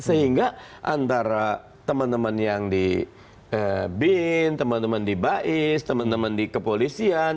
sehingga antara teman teman yang di bin teman teman di bais teman teman di kepolisian